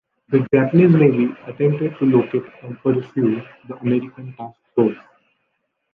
The Japanese Navy attempted to locate and pursue the American task force.